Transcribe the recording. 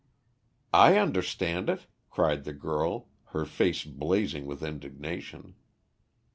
"I understand it," cried the girl, her face blazing with indignation.